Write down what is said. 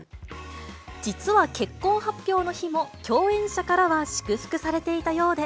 実は結婚発表の日も、共演者からは祝福されていたようで。